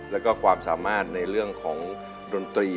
แล้วก็ความสามารถในเรื่องของดนตรี